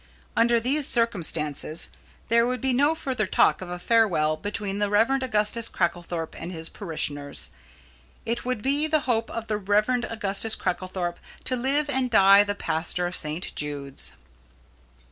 Under these circumstances, there would be no further talk of a farewell between the Rev. Augustus Cracklethorpe and his parishioners. It would be the hope of the Rev. Augustus Cracklethorpe to live and die the pastor of St. Jude's.